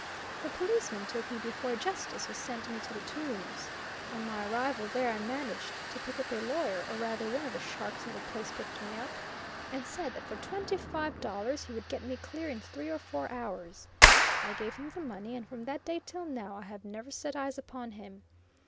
The policeman took me before a justice who sent me to the Tombs. On my arrival there I managed to pick up a lawyer, or rather one of the sharks of the place picked me up, and said that for twenty five dollars he would get me clear in three or four hours. I gave him the money, and from that day till now, I have never set eyes upon him.